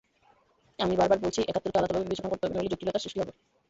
আমি বারবার বলছি, একাত্তরকে আলাদাভাবে বিবেচনা করতে হবে, নইলে জটিলতার সৃষ্টি হবে।